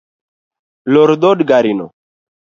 Lor dhod garino.